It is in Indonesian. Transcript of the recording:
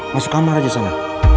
masuk kamar aja sana